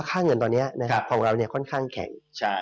ค่าเงินตอนนี้ของเราค่อนข้างแข็ง